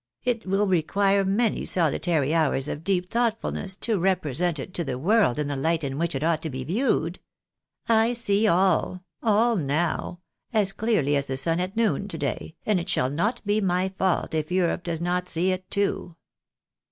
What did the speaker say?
It will require many solitary hours of deep thoughtfulness to rejjresent it to the world in the light in which it ought to be viewed. I see all — all now — as clearly as the sun at noon day, and it shall not be my fault if Europe does not see it too.''